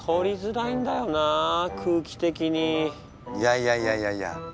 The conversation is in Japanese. いやいやいやいや！